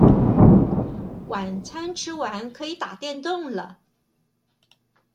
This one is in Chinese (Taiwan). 晚餐吃完可以打電動了